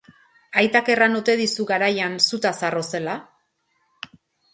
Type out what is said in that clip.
Aitak erran ote dizu, garaian, zutaz harro zela?